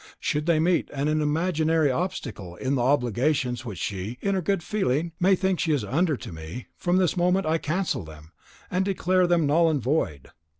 Should they meet an imaginary obstacle in the obligations which she, in her good feeling, may think she is under to me, from this moment I cancel them, and declare them null and void.